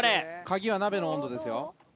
鍵は鍋の温度ですよ。